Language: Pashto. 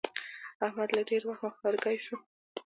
احمد له ډېره وهمه ښارګی شو.